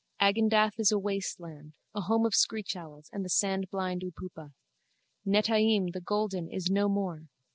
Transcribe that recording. Agendath is a waste land, a home of screechowls and the sandblind upupa. Netaim, the golden, is no more.